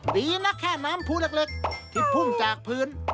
ดีนะแค่น้ำผู้เล็กที่พุ่งจากพื้น